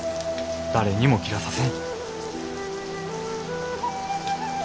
誰にも切らさせん。